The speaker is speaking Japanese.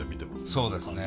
そうですね。